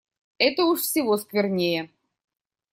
Это уж всего сквернее!